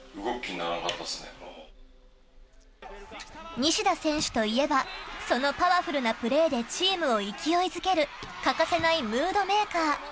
西田選手といえばそのパワフルなプレーでチームを勢いづける欠かせないムードメーカー。